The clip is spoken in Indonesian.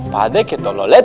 pak d ke tolet